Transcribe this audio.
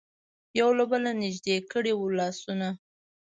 یو له بله نژدې کړي وو لاسونه.